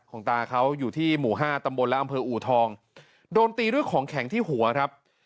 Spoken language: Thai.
ตาเขาอยู่ที่หมู่ห้าตำบลและอำเภออูทองโดนตีด้วยของแข็งที่หัวครับ